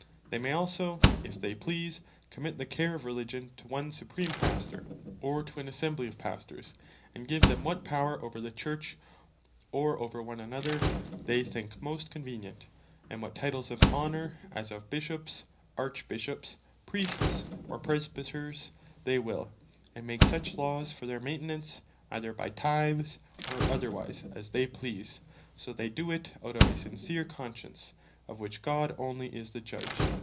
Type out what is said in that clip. They may also if they please, commit the care of Religion to one Supreme Pastor, or to an Assembly of Pastors; and give them what power over the Church, or one over another, they think most convenient; and what titles of honor, as of Bishops, Archbishops, Priests, or Presbyters, they will; and make such Laws for their maintenance, either by Tithes, or otherwise, as they please, so they doe it out of a sincere conscience, of which God onely is the Judge.